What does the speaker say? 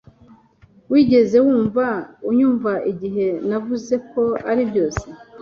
Wigeze wumva unyumva igihe navuze ko uri byose